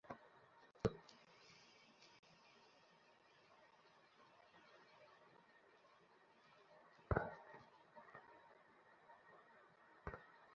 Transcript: তোমাকে বলে দিচ্ছি।